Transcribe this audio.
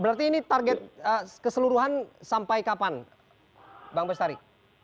berarti ini target keseluruhan sampai kapan bang bestari